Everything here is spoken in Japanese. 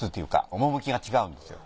趣が違うんですよ。